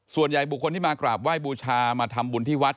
ส่วนใหญ่บุคคลที่มากราบไหว้บูชามาทำบุญที่วัด